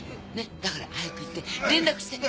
だから早くいって連絡して！